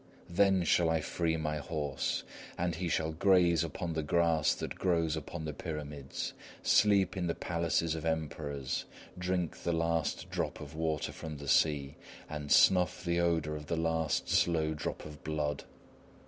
Then shall I free my horse, and he shall graze upon the grass that grows upon the Pyramids, sleep in the palaces of emperors, drink the last drop of water from the sea, and snuff the odour of the last slow drop of blood!